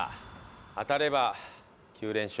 当たれば９連勝。